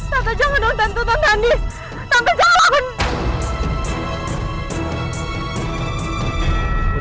tante jangan dong tante tante andis tante jangan lakukan